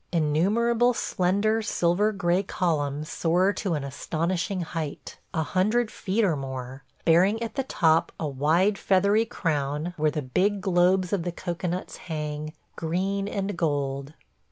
Innumerable slender, silver gray columns soar to an astonishing height – a hundred feet or more – bearing at the top a wide feathery crown where the big globes of the cocoanuts hang, green and gold.